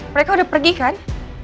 mereka udah pergi kan